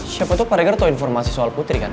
siapa tuh pak regar tau informasi soal putri kan